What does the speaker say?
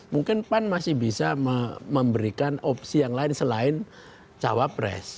mungkin pan masih bisa memberikan opsi yang lain selain cawapres